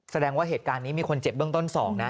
แสดงว่าเหตุการณ์นี้มีคนเจ็บเบื้องต้น๒นะ